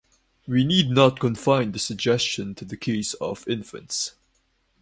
We need not confine the suggestion to the case of infants.